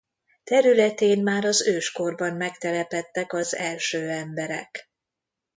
Területén már az őskorban megtelepedtek az első emberek.